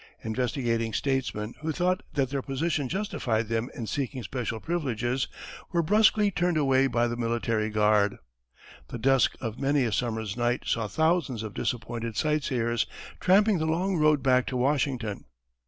Investigating statesmen who thought that their position justified them in seeking special privileges were brusquely turned away by the military guard. The dusk of many a summer's night saw thousands of disappointed sightseers tramping the long road back to Washington.